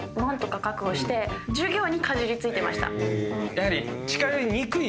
やはり。